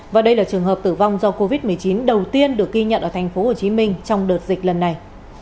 và đây là trường hợp tử vong do covid một mươi chín đầu tiên được ghi nhận ở tp hcm trong đợt dịch lần này